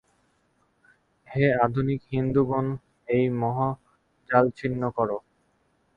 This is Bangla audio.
হে আধুনিক হিন্দুগণ, এই মোহজাল ছিন্ন কর।